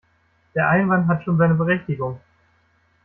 Der Einwand hat schon seine Berechtigung.